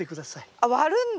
あっ割るんだ。